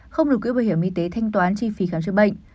không được quỹ bảo hiểm y tế thanh toán chi phí khám chữa bệnh